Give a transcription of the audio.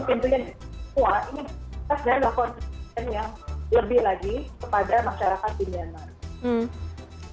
ini pasti akan berhasil yang lebih lagi kepada masyarakat di myanmar